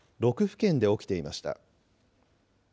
県で起きていました。